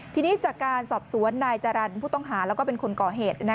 ทีนี้จากการสอบสวนนายจารนพุทธองหาและเป็นคนก่อเหตุ